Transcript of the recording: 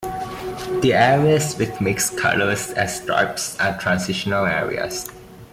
The areas with mixed colors as stripes are transitional areas.